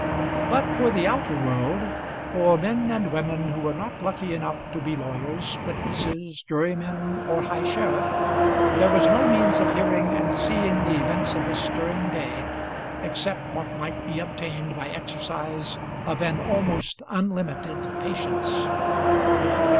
But for the outer world, for men and women who were not lucky enough to be lawyers, witnesses, jurymen, or high sheriff, there was no means of hearing and seeing the events of this stirring day except what might be obtained by exercise of an almost unlimited patience.